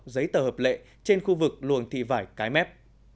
giấy tờ hợp lệ trên khu vực luồng thị vải cái mép